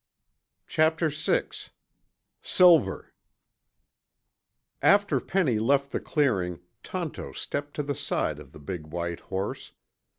Chapter VI SILVER After Penny left the clearing, Tonto stepped to the side of the big white horse.